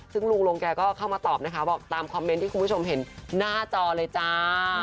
ซึ่งลุงลงแกก็เข้ามาตอบนะคะบอกตามคอมเมนต์ที่คุณผู้ชมเห็นหน้าจอเลยจ้า